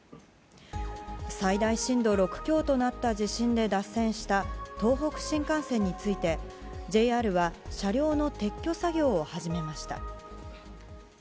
最大震度６強となった地震で脱線した東北新幹線について、ＪＲは車両の撤去作業を始めました。